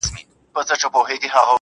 چي پکي روح نُور سي، چي پکي وژاړي ډېر~